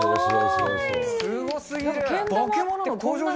すごすぎる。